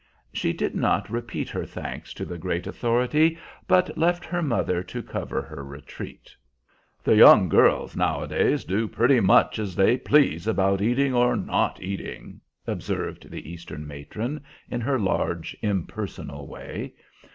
She did not repeat her thanks to the great authority, but left her mother to cover her retreat. "The young girls nowadays do pretty much as they please about eating or not eating," observed the Eastern matron, in her large, impersonal way.